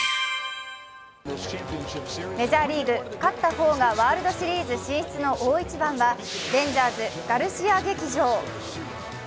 メジャーリーグ、勝った方がワールドシリーズ進出の大一番はレンジャーズ・ガルシア劇場。